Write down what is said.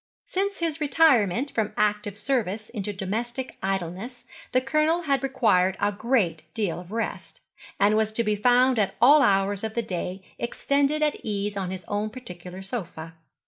Since his retirement from active service into domestic idleness the Colonel had required a great deal of rest, and was to be found at all hours of the day extended at ease on his own particular sofa.